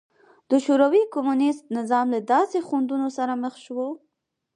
د شوروي کمونېست نظام له داسې خنډونو سره مخ شو